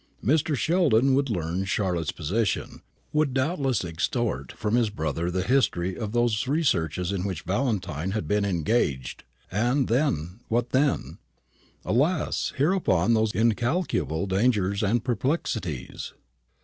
Mr. Sheldon would learn Charlotte's position, would doubtless extort from his brother the history of those researches in which Valentine had been engaged; and then, what then? Alas! hereupon arose incalculable dangers and perplexities.